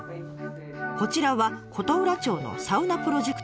こちらは琴浦町のサウナプロジェクトチームの面々。